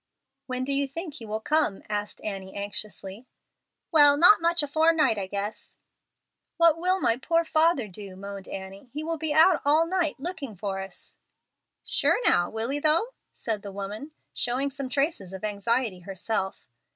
"When do you think he will come?" asked Annie, anxiously. "Well, not much afore night, I guess." "What will my poor father do?" moaned Annie. "He will be out all night looking for us." "Sure now, will he though?" said the woman, showing some traces of anxiety herself.